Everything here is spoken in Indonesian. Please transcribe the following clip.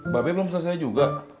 bape belum selesai juga